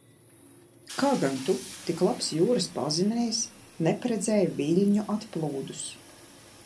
Kā gan tu, tik labs jūras pazinējs, neparedzēji viļņu atplūdus?